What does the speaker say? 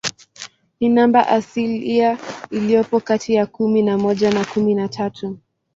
Ni namba asilia iliyopo kati ya kumi na moja na kumi na tatu.